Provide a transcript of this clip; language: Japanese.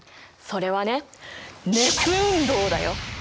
それはね「熱運動」だよ！